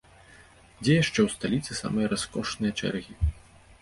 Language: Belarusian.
Дзе яшчэ ў сталіцы самыя раскошныя чэргі?